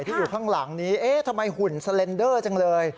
ที่อยู่ข้างหลังนี้เอ๊ะทำไมหุ่นสเลนเดอร์จังเลย